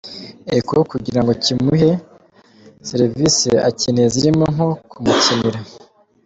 Echo kugira ngo kimuhe serivisi akeneye zirimo nko kumukinira